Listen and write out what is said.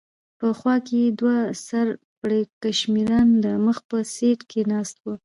په خوا کې یې دوه سر پړکمشران د مخ په سېټ کې ناست و.